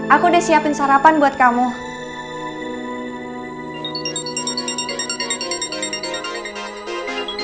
aku udah siapin sarapan buat kamu